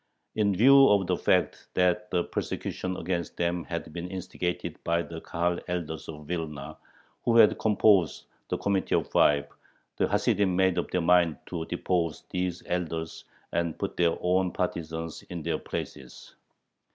In view of the fact that the persecutions against them had been instigated by the Kahal elders of Vilna, who had composed the "Committee of Five," the Hasidim made up their mind to depose these elders and put their own partisans in their places.